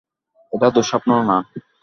এটা দুঃস্বপ্ন না।